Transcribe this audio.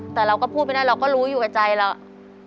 แต่เราก็พูดไปได้เราก็รู้อยู่ในใจแล้ว